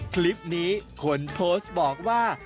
คลิปนี้คนโพสต์บอกว่า